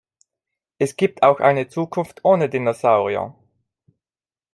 Es gibt auch eine Zukunft ohne Dinosaurier!